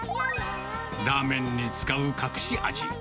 ラーメンに使う隠し味。